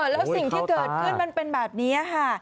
แล้วสิ่งที่เกิดขึ้นมันเป็นแบบนี้ค่ะ